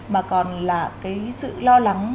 mà còn là cái sự lo lắng